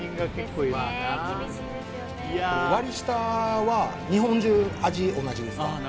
これ割り下は日本中味同じですか？